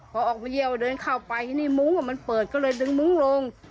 พอออกมาเยี่ยวเดินเข้าไปนี่มุ้งมันเปิดก็เลยดึงมุ้งลง